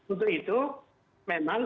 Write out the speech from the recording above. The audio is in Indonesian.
untuk itu memang